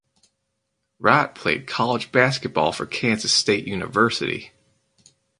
Wright played college basketball for Kansas State University.